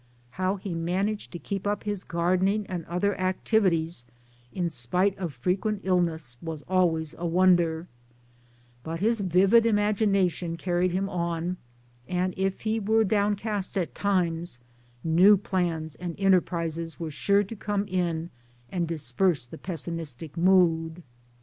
How he managed to keep up his gardening and other activi ties in spite of frequent illness was always a wonder ; but his vivid imagination carried him on, and if he were downcast at times, new plans and enterprises were sure to come in and disperse the pessimistic mood.